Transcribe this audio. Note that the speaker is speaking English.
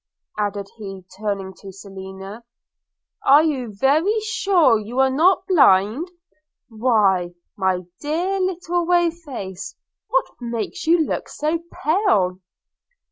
added he turning to Selina, 'are you very sure you are not a blind? why, my dear little whey face, what makes you look so pale?